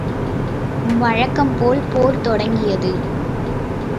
வழக்கம் போல் போர் தொடங்கியது.